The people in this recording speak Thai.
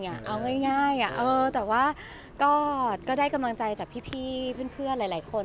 เอาง่ายแต่ว่าก็ได้กำลังใจจากพี่เพื่อนหลายคน